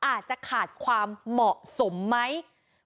ทีนี้จากรายทื่อของคณะรัฐมนตรี